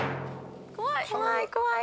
怖い怖い。